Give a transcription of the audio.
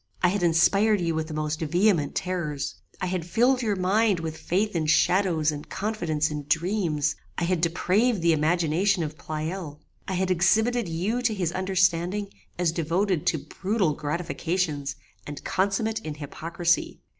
I had inspired you with the most vehement terrors: I had filled your mind with faith in shadows and confidence in dreams: I had depraved the imagination of Pleyel: I had exhibited you to his understanding as devoted to brutal gratifications and consummate in hypocrisy.